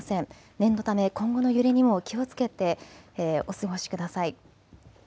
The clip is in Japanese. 念のため今後の揺れにも気をつけて、お過ごしください。